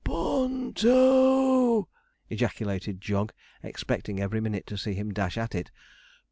'P o o n to!' ejaculated Jog, expecting every minute to see him dash at it.